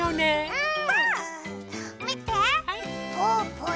うん。